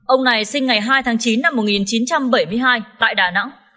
ông này sinh ngày hai tháng chín năm một nghìn chín trăm bảy mươi hai tại đà nẵng